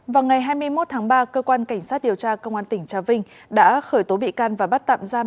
vào ngày hai mươi một tháng ba cơ quan cảnh sát điều tra công an tỉnh trà vinh đã khởi tố bị can và bắt tạm giam